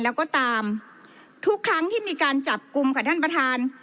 แล้วก็ตามทุกครั้งที่มีการจับกลุ่มค่ะท่านประธาน